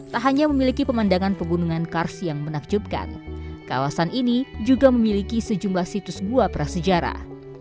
tak hanya memiliki pemandangan pegunungan kars yang menakjubkan kawasan ini juga memiliki sejumlah situs gua prasejarah